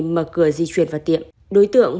mở cửa di chuyển vào tiệm đối tượng